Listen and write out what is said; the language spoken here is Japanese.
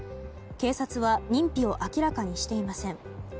警察は認否を明らかにしていません。